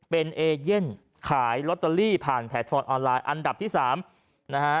เป็นเอเย่นขายล็อตเตอรี่ผ่านอันดับที่สามนะฮะ